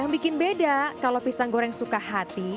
yang bikin beda kalau pisang goreng suka hati